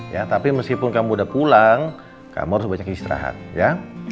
ya tapi meskipun kamu udah pulang kamu harus banyak istirahat ya